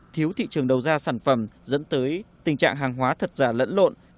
thiếu thị trường đầu ra sản phẩm dẫn tới tình trạng hàng hóa thật giả lẫn lộn